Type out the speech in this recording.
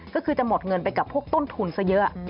ก็คือจะหมดเงินไปกับพวกต้นทุนซะเยอะ